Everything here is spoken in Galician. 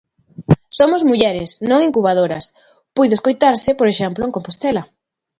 "Somos mulleres, non incubadoras", puido escoitarse por exemplo en Compostela.